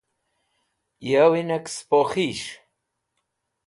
yowi nek spo khis̃h